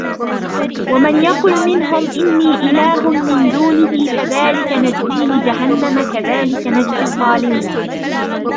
ومن يقل منهم إني إله من دونه فذلك نجزيه جهنم كذلك نجزي الظالمين